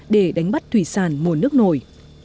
để đánh bắt thủy sản mùa nước nổi